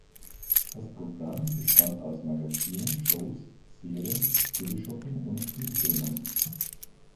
Das Programm bestand aus Magazinen, Shows, Serien, Teleshopping und Spielfilmen.